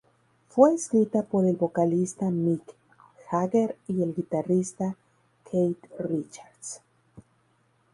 Fue escrita por el vocalista Mick Jagger y el guitarrista Keith Richards.